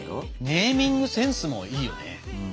ネーミングセンスもいいよね。